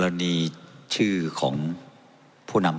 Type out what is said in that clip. ท่านประธานครับนี่คือสิ่งที่สุดท้ายของท่านครับ